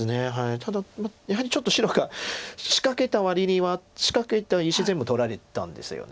ただやはりちょっと白が仕掛けた割には仕掛けた石全部取られたんですよね。